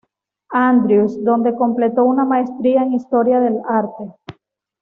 Andrews, donde completó una maestría en historia del arte.